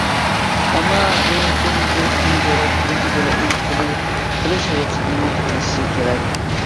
ئەمما بۇنىڭ ئۈچۈن، بۇ ئىككىنچى دۆلەت بىرىنچى دۆلەتنىڭ قوبۇل قىلىش رۇخسىتىنى ئېلىشى كېرەك.